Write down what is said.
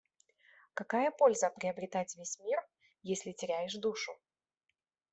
Какая польза приобретать весь мир, если теряешь душу?